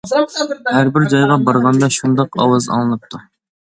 ھەربىر جايغا بارغاندا شۇنداق ئاۋاز ئاڭلىنىپتۇ.